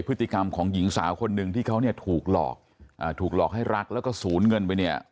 พฤติกรรมของหญิงสาวคนหนึ่งที่เขาเนี่ยถูกหลอกถูกหลอกให้รักแล้วก็สูญเงินไปเนี่ย